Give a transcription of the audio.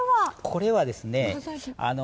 これはですね